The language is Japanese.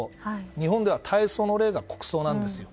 日本では大喪の礼が国葬なんですよ。